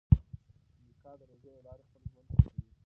میکا د روژې له لارې خپل ژوند ښه کوي.